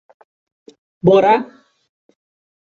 Borá